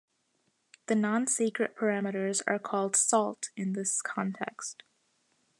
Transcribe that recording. The non-secret parameters are called "salt" in this context.